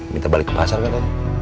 minta balik ke pasar kan